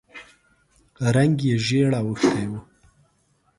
رنګ یې ژېړ اوښتی و.